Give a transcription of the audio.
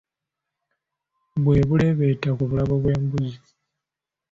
Bwe buleebeeta ku bulago bw'embuzi.